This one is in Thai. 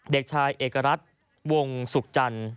เด็กชายเอกรัฐวงศุกร์จันทร์